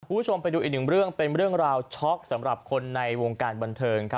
คุณผู้ชมไปดูอีกหนึ่งเรื่องเป็นเรื่องราวช็อกสำหรับคนในวงการบันเทิงครับ